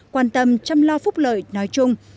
quan tâm chăm lo phúc lợi nói chung